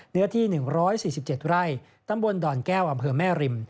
เนื้อที่๑๔๗ไร่ตำบลดอนแก้วอำเภอแม่ริม